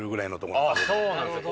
そうなんですね。